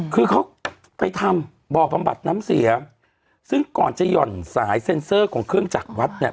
คือเขาไปทำบ่อบำบัดน้ำเสียซึ่งก่อนจะหย่อนสายเซ็นเซอร์ของเครื่องจักรวัดเนี่ย